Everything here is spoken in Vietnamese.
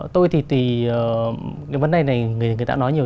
tôi thì tùy cái vấn đề này người ta nói nhiều